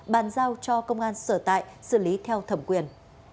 bàn giao cho công an sở tại xử lý theo thẩm quyền